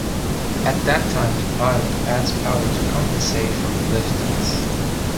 At that time the pilot adds power to compensate for the lift loss.